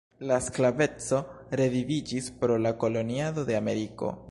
La sklaveco reviviĝis pro la koloniado de Ameriko.